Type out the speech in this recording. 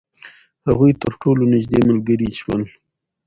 هغوی تر ټولو نژدې ملګري شول.